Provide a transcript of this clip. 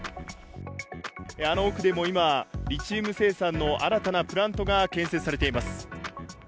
あの奥でも今、リチウム生産の新たなプラントが建設されています。